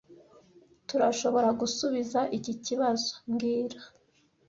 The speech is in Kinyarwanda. Turashoboragusubiza iki kibazo mbwira